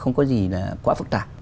không có gì là quá phức tạp